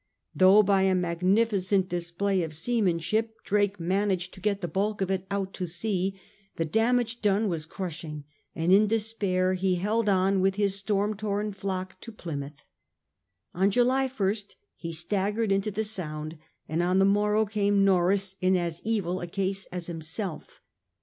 Though by a magnificent display of seamanship Drake managed to get the bulk of it out to sea, the damage done was crushing, and in despair he held on with his storm torn flock to Plymouth. On July 1st he staggered into the Sound, and on the morrow came Norreys in as evil a case as himself.